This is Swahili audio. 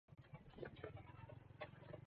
Kamanda mkuu amerudi Kongo kuongoza mashambulizi